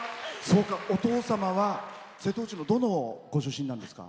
お父様は、瀬戸内のどこご出身なんですか？